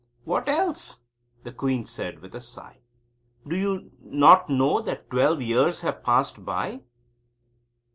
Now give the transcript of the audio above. "What else?" the queen said with a sigh. "Do you not know that twelve years have passed by?"